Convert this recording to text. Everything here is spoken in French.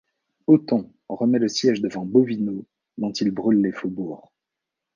Otton remet le siège devant Bovino dont il brûle les faubourgs.